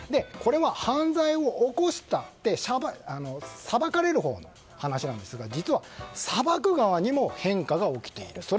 これは犯罪を起こして裁かれるほうの話なんですが実は裁く側にも変化が起きている。